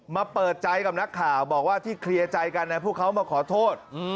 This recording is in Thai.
เปิดใจกับนักข่าวบอกว่าที่เคลียร์ใจกันพวกเขามาขอโทษ